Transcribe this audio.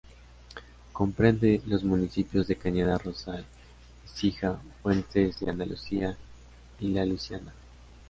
Comprende los municipios de Cañada Rosal, Écija, Fuentes de Andalucía y La Luisiana.